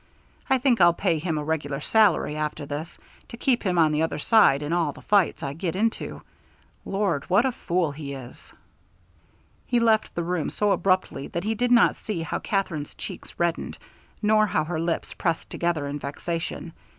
I think I'll pay him a regular salary after this to keep him on the other side in all the fights I get into. Lord, what a fool he is!" He left the room so abruptly that he did not see how Katherine's cheeks reddened, nor how her lips pressed together in vexation.